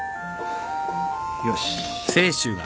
よし。